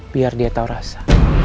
biar dia tau rasa